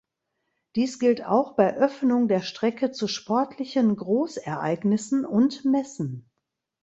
Dies gilt auch bei Öffnung der Strecke zu sportlichen Großereignissen und Messen.